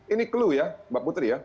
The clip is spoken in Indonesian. ini clue ya mbak putri ya